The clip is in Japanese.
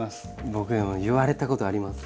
僕でも言われたことあります。